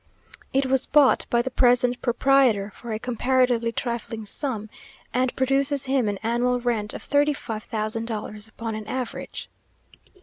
It was bought by the present proprietor for a comparatively trifling sum, and produces him an annual rent of thirty five thousand dollars upon an average.